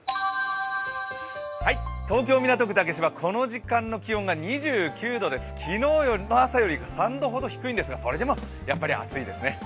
東京・港区竹芝、この時間の気温が２９度です、昨日の朝より３度ほど低いんですがそれでも、やはり暑いですね。